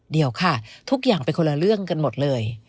เดี๋ยวค่ะทุกอย่างเป็นคนละเรื่องกันหมดเลย